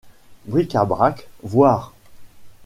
Bric-à-brac, voire.